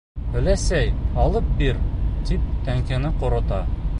Өләсәй, алып бир, тип теңкәне ҡорота.